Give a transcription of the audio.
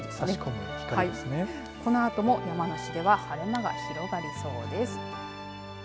このあとも山梨では晴れ間が広がりそうです。